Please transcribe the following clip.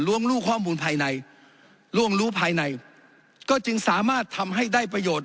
รู้ข้อมูลภายในล่วงรู้ภายในก็จึงสามารถทำให้ได้ประโยชน์